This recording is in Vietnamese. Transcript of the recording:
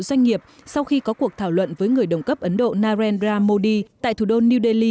doanh nghiệp sau khi có cuộc thảo luận với người đồng cấp ấn độ narendra modi tại thủ đô new delhi